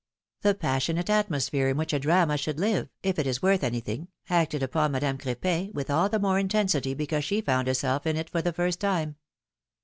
The passionate atmos phere in which a drama should live, if it is worth any thing, acted upon Madame Cr6pin with all the more intens ity because she found herself in it for the first tim^.